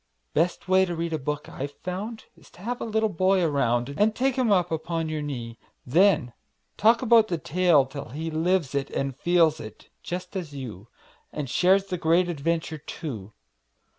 Best way to read a book I've found Is have a little boy around And take him up upon your knee; Then talk about the tale, till he Lives it and feels it, just as you, And shares the great adventure, too.